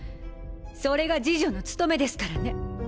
それが侍女の務めですからね。